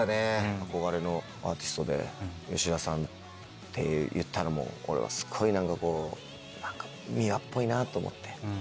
憧れのアーティストで吉田さんって言ったのも俺はすごい何かｍｉｗａっぽいなと思って。